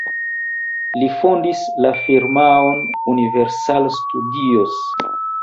Li fondis la firmaon Universal Studios.